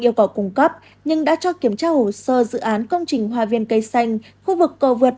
yêu cầu cung cấp nhưng đã cho kiểm tra hồ sơ dự án công trình hòa viên cây xanh khu vực cầu vượt